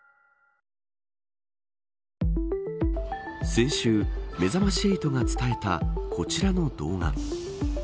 先週めざまし８が伝えたこちらの動画。